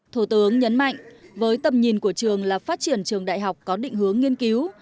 thủ tướng nhấn mạnh với tầm nhìn của trường là phát triển trường đại học có định hướng nghiên cứu